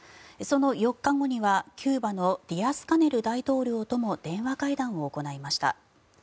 その４日後にはキューバのディアスカネル大統領とも電話会談を行いました。